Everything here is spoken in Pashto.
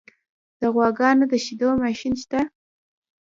د غواګانو د شیدو ماشین شته؟